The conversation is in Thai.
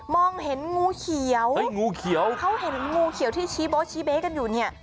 มองเห็นงูเขียวเขาเห็นงูเขียวที่ชี้เบ๊กกันอยู่เนี่ย